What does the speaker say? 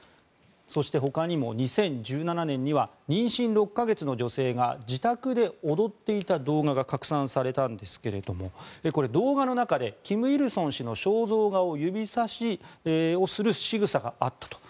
そして、ほかにも２０１７年には妊娠６か月の女性が自宅で踊っていた動画が拡散されたんですが動画の中で金日成氏の肖像画を指さしするしぐさがあったと。